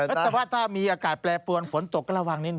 แต่ว่าถ้ามีอากาศแปรปวนฝนตกก็ระวังนิดน